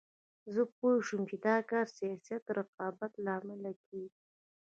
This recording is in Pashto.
زه پوه شوم چې دا کار سیاسي رقابت له امله کېږي.